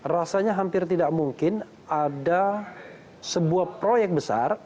rasanya hampir tidak mungkin ada sebuah proyek besar